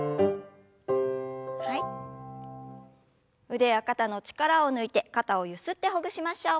腕や肩の力を抜いて肩をゆすってほぐしましょう。